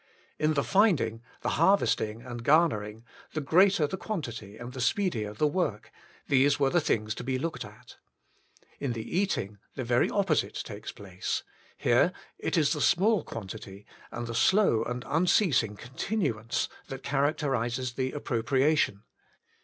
In the finding, the harvesting, and garnering, the greater the quantity and the speedier the work — these were the things to be looked at. In the eat ing, the very opposite takes place — here it is the small quantity, and the slow and unceasing con tinuance, that characterises the appropriation.